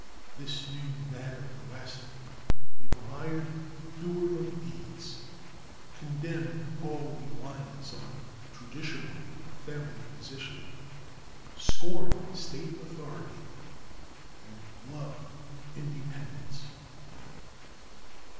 This new man of the West admired the doer of deeds, condemned all reliance on traditional or family position, scorned State authority, and loved independence.